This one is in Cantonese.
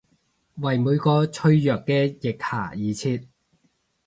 為每個脆弱嘅腋下而設！